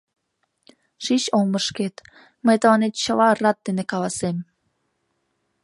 Шич олмышкет, мый тыланет чыла рад дене каласем...